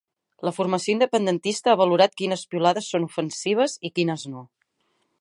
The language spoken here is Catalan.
La formació independentista ha valorat quines piulades són ofensives i quines no.